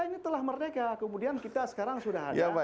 ini telah merdeka kemudian kita sekarang sudah ada